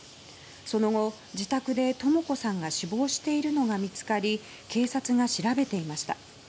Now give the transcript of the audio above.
その後、自宅で智子さんが死亡しているのが見つかり警察が調べていました。